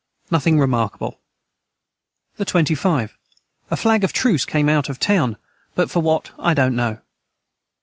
Nothing remarkable. the 25. A flag of truce came out of town but for what I dont know.